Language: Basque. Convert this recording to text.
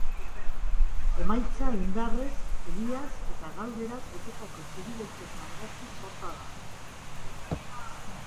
Emaitza indarrez, egiaz eta galderaz betetako txuri-beltzeko argazki sorta da.